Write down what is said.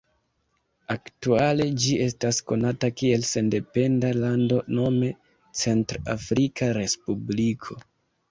Aktuale ĝi estas konata kiel sendependa lando nome Centr-Afrika Respubliko.